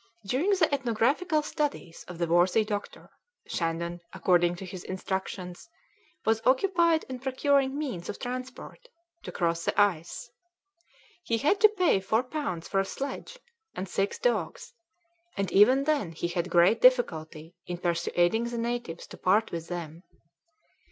During the ethnographical studies of the worthy doctor, Shandon, according to his instructions, was occupied in procuring means of transport to cross the ice. He had to pay 4 pounds for a sledge and six dogs, and even then he had great difficulty in persuading the natives to part with them.